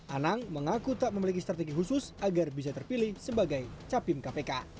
anang mengaku tak memiliki strategi khusus agar bisa terpilih sebagai capim kpk